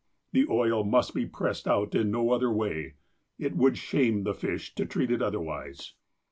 The oil must be pressed out in no other way. It would '' shame '' the fish to treat it otherwise.